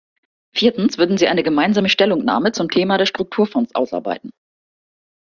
Viertens würden sie eine gemeinsame Stellungnahme zum Thema der Strukturfonds ausarbeiten.